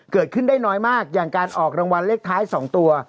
เกิดขึ้นได้น้อยมากอย่างการออกรางวัลเลขท้าย๒ตัว